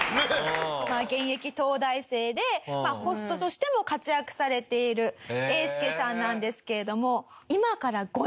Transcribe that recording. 現役東大生でホストとしても活躍されているえーすけさんなんですけれども。